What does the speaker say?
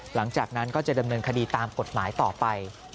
หลังจากนั้นก็จะดำเนินคดีตามกฎหมายต่อไป